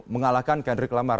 mengalahkan kendrick lamar